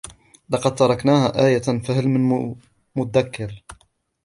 ولقد تركناها آية فهل من مدكر